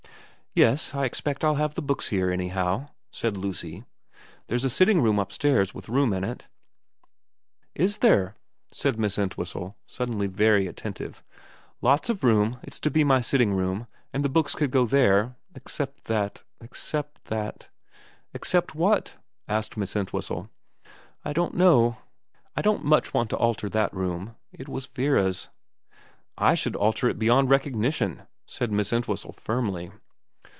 ' Yes, I expect I'll have the books here, anyhow/ said Lucy. ' There's a sitting room upstairs with room in it.' VERA 327 ' Is there ?' said Miss EntwMstle, suddenly very attentive. ' Lots of room. It's to be my sitting room, and the books could go there. Except that except that '* Except what ?' asked Miss Entwhistle. ' I don't know. I don't much want to alter that room. It was Vera's.' ' I should alter it beyond recognition,' said Miss Entwhistle firmly.